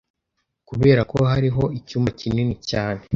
Kuberako hariho icyumba kinini cyane